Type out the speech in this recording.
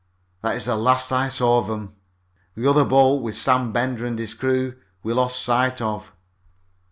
That is the last I saw of them. The other boat, with Sam Bender and his crew, we lost sight of."